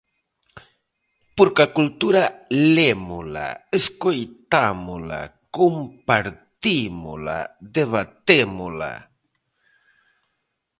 Porque a cultura lémola, escoitámola, compartímola, debatémola.